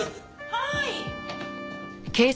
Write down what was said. はい。